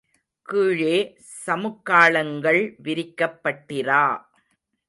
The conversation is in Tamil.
கீழே சமுக்காளங்கள் விரிக்கப்பட்டிரா.